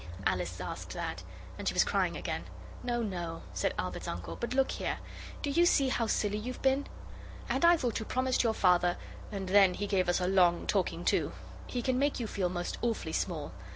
Alice asked that, and she was crying again. 'No, no,' said Albert's uncle; 'but look here. Do you see how silly you've been? And I thought you promised your Father ' And then he gave us a long talking to. He can make you feel most awfully small.